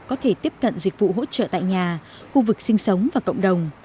có thể tiếp cận dịch vụ hỗ trợ tại nhà khu vực sinh sống và cộng đồng